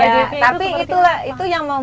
waktu ambil dukungan